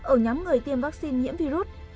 ở nhóm người tiêm vaccine nhiễm virus